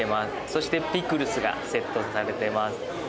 そしてピクルスがセットされてます